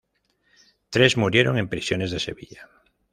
Tres murieron en prisiones de Sevilla.